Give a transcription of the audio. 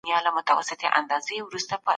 خوشبیني ستاسو فزیکي انرژي زیاتوي.